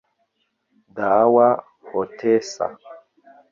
Dawa Hotessa